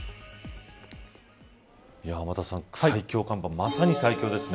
天達さん、最強寒波まさに最強ですね。